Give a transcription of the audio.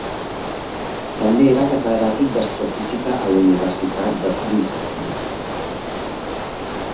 També era catedràtic d'astrofísica a la Universitat de Princeton.